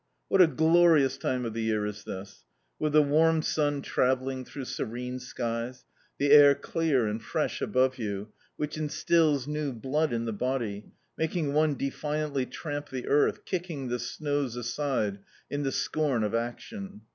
What a glorious time of the year is this ! With the warm sun travelling through serene skies, the air clear and fresh above you, which instils new blood in the body, making one defiantly tramp the earth, kicking the snows aside in the scorn of action.